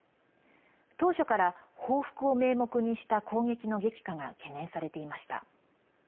当初から、報復を名目にした攻撃の激化が懸念されていました。